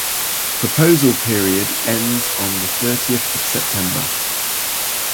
Proposal period ends on the thirtieth of September.